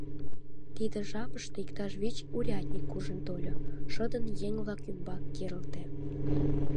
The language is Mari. Тиде жапыште иктаж вич урядник куржын тольо, шыдын еҥ-влак ӱмбак керылте...